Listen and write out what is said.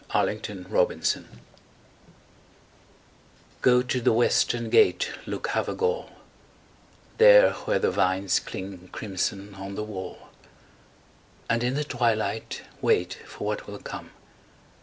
Luke Havergal Go to the western gate, Luke Havergal, There where the vines cling crimson on the wall, And in the twilight wait for what will come.